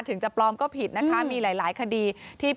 ถึงจะปลอมก็ผิดนะคะมีหลายคดีที่